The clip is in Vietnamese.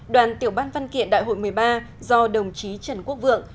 đoàn tiểu ban văn kiện đại hội một mươi ba do đồng chí trần quốc vượng